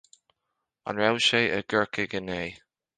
An raibh sé i gCorcaigh inné